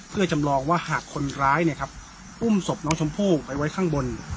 เพื่อจำลองว่าหากคนร้ายอุ้มศพน้องชมพู่ไปไว้ข้างบน